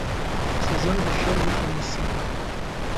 سزا د شر مخه نیسي